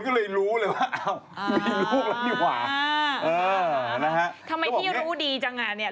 ทำไมที่มันรู้ดีจังร์หรือเนี่ย